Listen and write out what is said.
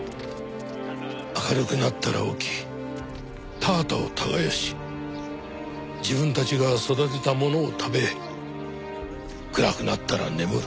明るくなったら起き田畑を耕し自分たちが育てたものを食べ暗くなったら眠る。